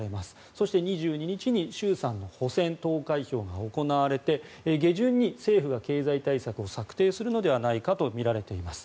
そして、２２日に衆参の補選投開票が行われて下旬に政府が経済対策を策定するのではないかとみられています。